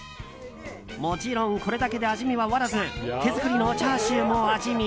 もちろんこれだけで味見は終わらず手作りのチャーシューも味見。